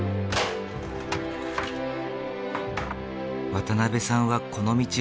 渡辺さんはこの道６０年。